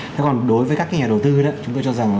thế còn đối với các nhà đầu tư chúng tôi cho rằng